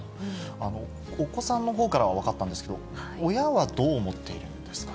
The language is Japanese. お子さんのほうからは分かったんですけど、親はどう思っているんですかね。